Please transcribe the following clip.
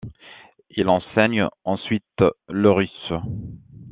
Il enseigne ensuite le russe.